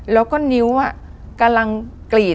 แล้วก็นิ้วกำลังกรีด